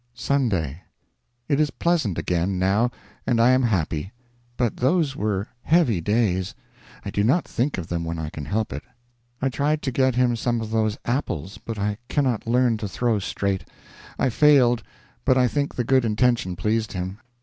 SUNDAY. It is pleasant again, now, and I am happy; but those were heavy days; I do not think of them when I can help it. I tried to get him some of those apples, but I cannot learn to throw straight. I failed, but I think the good intention pleased him.